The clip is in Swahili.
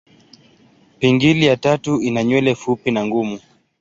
Pingili ya tatu ina nywele fupi na ngumu.